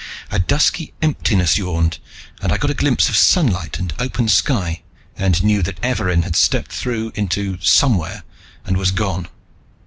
A dusky emptiness yawned and I got a glimpse of sunlight and open sky and knew that Evarin had stepped through into somewhere and was gone.